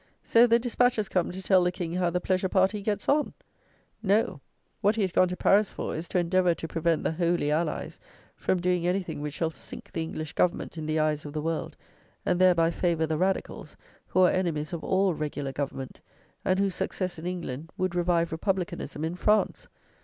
So, the "dispatches" come to tell the King how the pleasure party gets on! No: what he is gone to Paris for is to endeavour to prevent the "Holy Allies" from doing anything which shall sink the English Government in the eyes of the world, and thereby favour the radicals, who are enemies of all "regular Government," and whose success in England would revive republicanism in France.